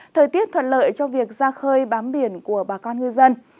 thời tiết thuận lợi cho việc ra khơi bám biển của bà con ngư dân